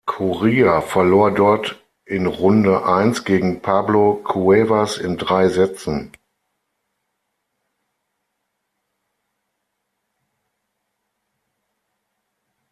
Coria verlor dort in Runde eins gegen Pablo Cuevas in drei Sätzen.